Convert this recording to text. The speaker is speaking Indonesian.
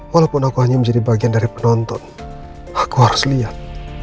walaupun aku hanya menjadi bagian dari penonton aku harus lihat